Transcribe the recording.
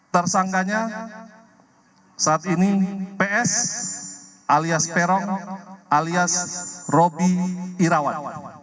tersangkanya saat ini ps alias peron alias robi irawan